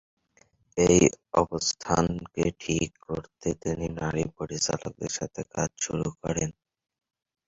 এই অবস্থাকে ঠিক করতে তিনি নারী পরিচালকদের সাথে কাজ শুরু করেন।